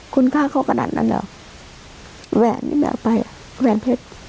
คุณฆ่าเค้ากระดันนั่นหรอแหวนเอาไปอ่ะแหวนเพถ